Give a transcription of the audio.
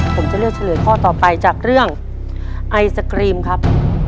ผมจะเลือกเฉลยข้อต่อไปจากเรื่องไอศกรีมครับ